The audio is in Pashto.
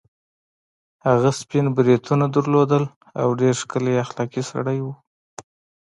هغه سپین بریتونه درلودل او ډېر ښکلی اخلاقي سړی وو.